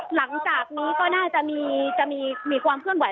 หลังจากนี้ก็น่าจะมีความเคลื่อนไห